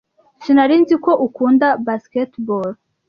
Sinari nzi ko ukunda basketball.